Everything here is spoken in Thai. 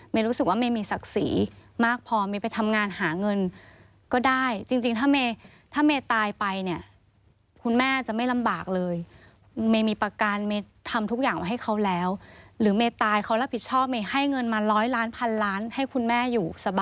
เมย์รู้สึกว่าเมย์มีศักดิ์ศรีมากพอเมย์ไปทำงานหาเงินก็ได้จริงถ้าเมย์ตายไปเนี่ยคุณแม่จะไม่ลำบากเลย